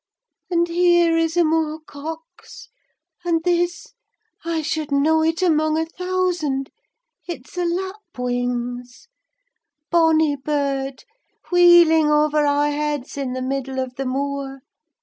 And here is a moor cock's; and this—I should know it among a thousand—it's a lapwing's. Bonny bird; wheeling over our heads in the middle of the moor.